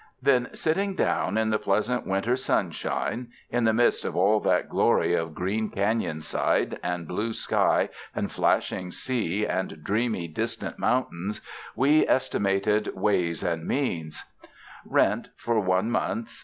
Then silting' down, in the pleasant winter sunshine, in the midst of all that glory of green caiion side and blue sky and flashing sea and dreamy, distant mountains, we estimated ways and means : Rent, one month